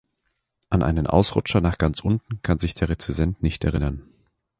An einen Ausrutscher nach ganz unten kann sich der Rezensent nicht erinnern.